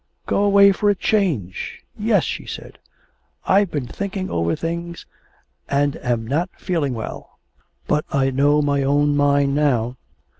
'Go away for a change! Yes,' she said, 'I've been thinking over things and am not feeling well. But I know my own mind now.